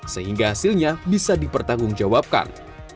sehingga hasilnya bisa dipertanggungjawabkan